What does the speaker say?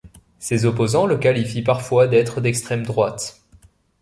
Ses opposants le qualifient parfois d'être d'extrême droite.